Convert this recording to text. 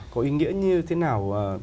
có ý nghĩa như thế nào